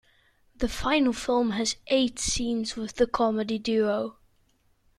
The final film has eight scenes with the comedy duo.